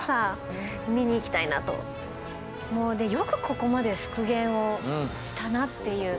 もうねよくここまで復元をしたなっていう。